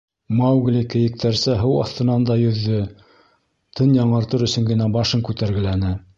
Маугли кейектәрсә һыу аҫтынан да йөҙҙө, тын яңыртыр өсөн генә башын күтәргеләне.